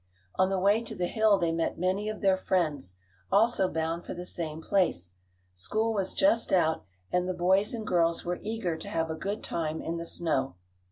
On the way to the hill they met many of their friends, also bound for the same place. School was just out and the boys and girls were eager to have a good time in the snow.